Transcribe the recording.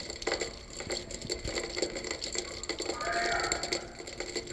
ستا سترگو كي بيا مرۍ، مرۍ اوښـكي